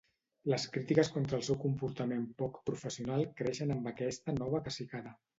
Les crítiques contra el seu comportament poc professional creixen amb aquesta nova cacicada.